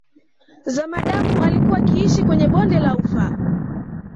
Zamadamu alikuwa akiishi kwenye bonde la Ufa